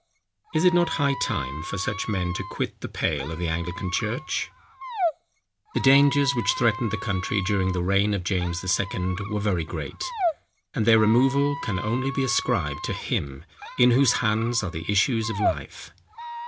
Is it not high time for such men to quit the pale of the Anglican church? The dangers which threatened the country during the reign of James II. were very great; and their removal can only be ascribed to Him, in whose hands are the issues of life.